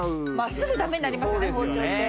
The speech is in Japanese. すぐダメになりますよね包丁って。